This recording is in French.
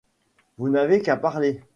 Vous n’avez qu’à parler.